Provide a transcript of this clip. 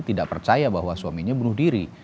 tidak percaya bahwa suaminya bunuh diri